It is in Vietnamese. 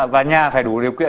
và nhà phải đủ điều kiện